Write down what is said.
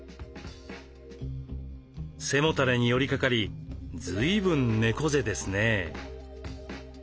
背もたれに寄りかかりずいぶん猫背ですね。